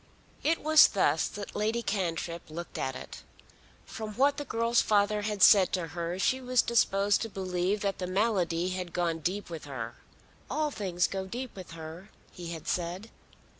It was thus that Lady Cantrip looked at it. From what the girl's father had said to her she was disposed to believe that the malady had gone deep with her. "All things go deep with her," he had said.